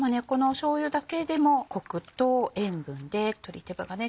しょうゆだけでもコクと塩分で鶏手羽がね